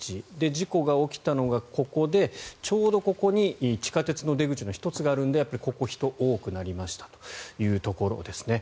事故が起きたのがここでちょうど、ここに地下鉄の出口の１つがあるのでここ、人が多くなりましたというところですね。